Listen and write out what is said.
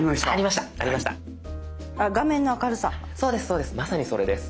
そうですそうです。